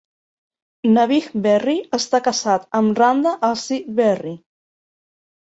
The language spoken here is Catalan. Nabih Berri està casat amb Randa Assi Berri.